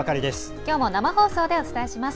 きょうも生放送でお伝えします。